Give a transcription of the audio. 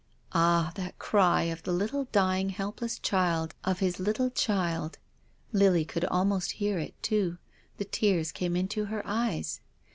Ah, that cry of the Httlc dying, helpless child, of his little child. Lily could almost hear it too, the tears came into her eyes.